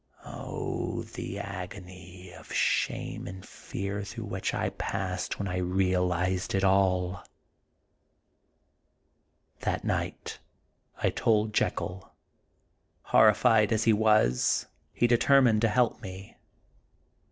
Oh, the agony of 36 The Untold Sequel of shame and fear through which I passed when I realized it all! That night I told Jekyll. Horrified as he was, he determined to help me.